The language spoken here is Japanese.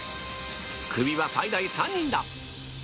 クビは最大３人だ！